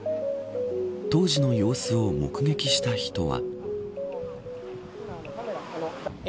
当時の様子を目撃した人は。